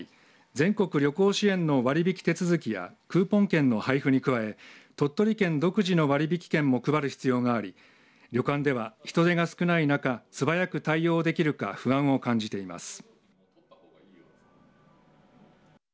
全国旅行支援の割引手続きやクーポン券の配布に加え鳥取県独自の割引券も配る必要があり旅館では人手が少ない中素早く対応できるか不安を感じています。